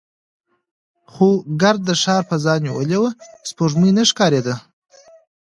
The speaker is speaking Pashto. خو ګرد د ښار فضا نیولې وه، سپوږمۍ نه ښکارېده.